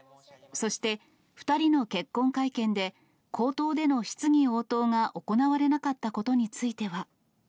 そして、２人の結婚会見で、口頭での質疑応答が行われなかったことについては。